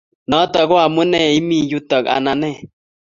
Not ko amunee imii yutok ,anan nee?